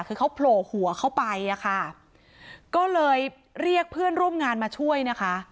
คือเขาโผล่หัวเข้าไปอะค่ะก็เลยเรียกเพื่อนร่วมงานมาช่วยนะคะ